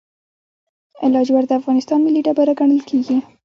لاجورد د افغانستان ملي ډبره ګڼل کیږي.